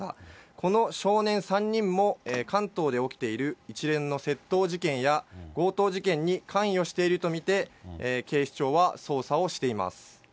この少年３人も、関東で起きている一連の窃盗事件や強盗事件に関与していると見て、警視庁は捜査をしています。